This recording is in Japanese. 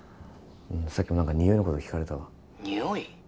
さっきも何かにおいのこと聞かれたわ☎におい？